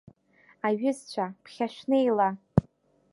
Аҩызцәа, ԥхьа шәнеила!